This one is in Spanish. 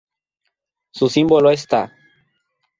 Su símbolo es Ta.